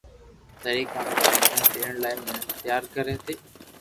طريقي سان منهن ڏيڻ لاءِ تيار ڪري ٿي